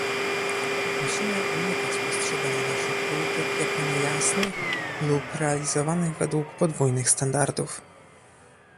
Musimy unikać postrzegania naszych polityk jako niejasnych lub realizowanych według podwójnych standardów